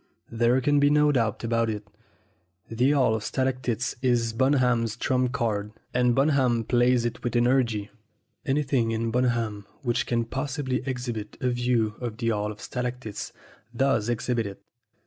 There can be no doubt about it, the Hall of Stalac tites is Bunham's trump card, and Bunham plays it with energy. Anything in Bunham which can possibly exhibit a view of the Hall of Stalactites does exhibit it.